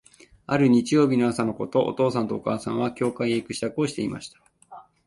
ある日曜日の朝のこと、お父さんとお母さんは、教会へ行く支度をしていました。